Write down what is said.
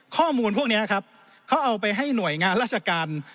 ข้อมูลพวกนี้ครับเขาเอาไปให้หน่วยงานราชการ